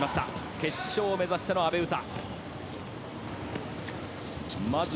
決勝目指しての阿部詩。